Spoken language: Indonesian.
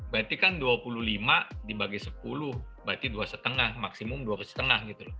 berarti kan dua puluh lima dibagi sepuluh berarti dua lima maksimum dua lima gitu